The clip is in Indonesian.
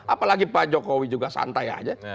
apalagi pak jokowi juga santai aja